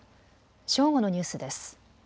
正午のニュースです。